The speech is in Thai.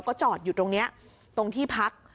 ก็จอดอยู่ตรงนี้ตรงที่พัก